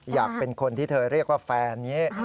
อยากเป็นคนที่เธอเรียกว่าแฟนอย่างนี้